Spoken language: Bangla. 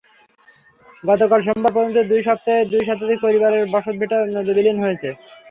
গতকাল সোমবার পর্যন্ত দুই সপ্তাহে দুই শতাধিক পরিবারের বসতভিটা নদে বিলীন হয়েছে।